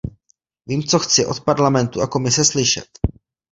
Vím, co chci od Parlamentu a Komise slyšet.